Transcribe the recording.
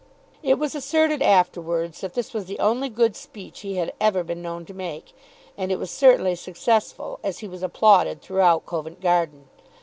It was asserted afterwards that this was the only good speech he had ever been known to make; and it was certainly successful, as he was applauded throughout Covent Garden.